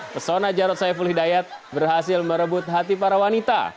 pesona jarod saiful hidayat berhasil merebut hati para wanita